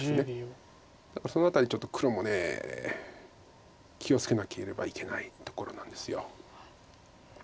だからその辺りちょっと黒も気を付けなければいけないところなんです。